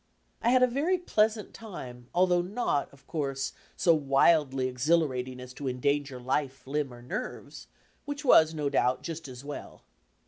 I had a very pleasant time although not, of course, so wildly exhilarating as to endanger life, limb or nerves, which was, no doubt, just as well.